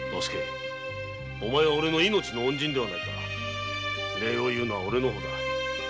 お前はオレの命の恩人ではないか礼を言うのはオレの方だ。